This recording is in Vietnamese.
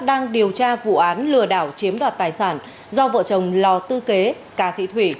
đang điều tra vụ án lừa đảo chiếm đoạt tài sản do vợ chồng lò tư kế cà thị thủy